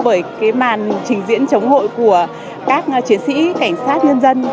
bởi cái màn trình diễn chống hội của các chiến sĩ cảnh sát nhân dân